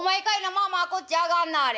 まあまあこっち上がんなはれ」。